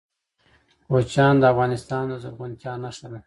کوچیان د افغانستان د زرغونتیا نښه ده.